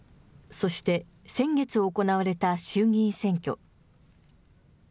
そして、先月行われた衆議院選挙。